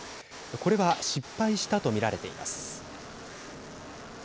これは失敗したとみられています。